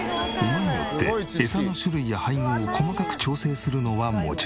馬によってエサの種類や配合を細かく調整するのはもちろん。